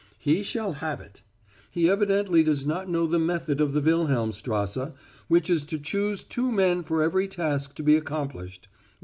He shall have it. He evidently does not know the method of the Wilhelmstrasse, which is to choose two men for every task to be accomplished.